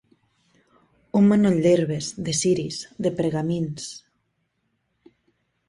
Un manoll d'herbes, de ciris, de pergamins.